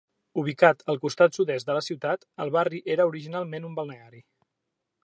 Ubicat a la costa sud-est de la ciutat, el barri era originalment un balneari.